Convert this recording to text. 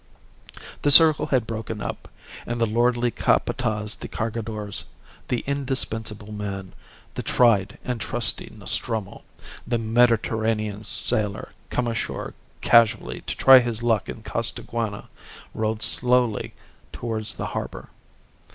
The circle had broken up, and the lordly Capataz de Cargadores, the indispensable man, the tried and trusty Nostromo, the Mediterranean sailor come ashore casually to try his luck in Costaguana, rode slowly towards the harbour.